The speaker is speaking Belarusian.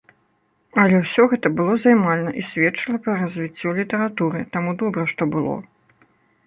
Але ўсё гэты было займальна і сведчыла пра развіццё літаратуры, таму добра, што было.